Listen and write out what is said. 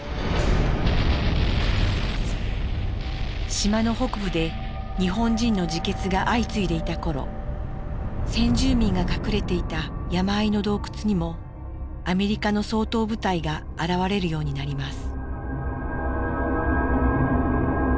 島の北部で日本人の自決が相次いでいた頃先住民が隠れていた山あいの洞窟にもアメリカの掃討部隊が現れるようになります。